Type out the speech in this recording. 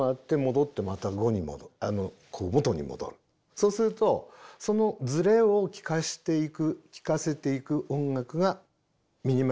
そうするとそのズレを聴かせていく聴かせていく音楽がミニマル・ミュージックです。